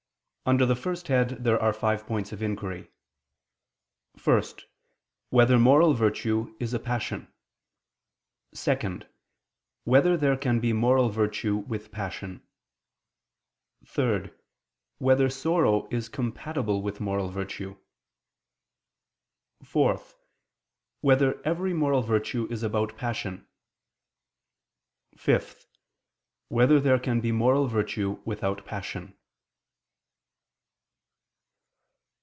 Under the first head there are five points of inquiry: (1) Whether moral virtue is a passion? (2) Whether there can be moral virtue with passion? (3) Whether sorrow is compatible with moral virtue? (4) Whether every moral virtue is about a passion? (5) Whether there can be moral virtue without passion?